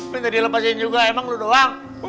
minta dilepasin juga emang udah doang